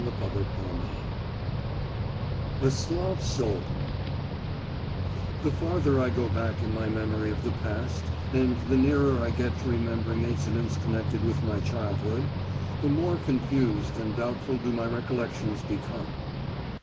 A SLAV SOUL I A SLAV SOUL The farther I go back in my memory of the past, and the nearer I get to remembering incidents connected with my childhood, the more confused and doubtful do my recollections become.